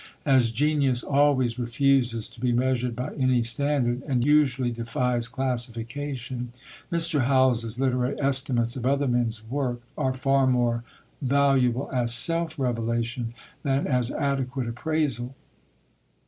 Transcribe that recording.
As genius always refuses to be measured by any standard, and usually defies classification, Mr. Howells's literary estimates of other men's work are far more valuable as self revelation than as adequate appraisal.